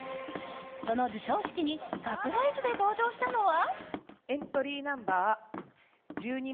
その授賞式にサプライズで登場したのは。